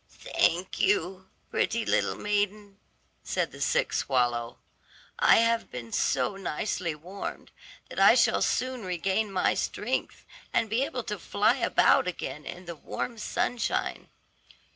"Thank you, pretty little maiden," said the sick swallow; "I have been so nicely warmed, that I shall soon regain my strength, and be able to fly about again in the warm sunshine."